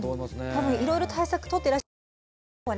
多分いろいろ対策取ってらっしゃる中でも今日はね